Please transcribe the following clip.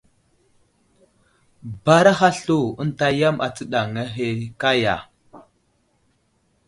Baaraha slu ənta yam astəɗaŋŋa ahe kaya !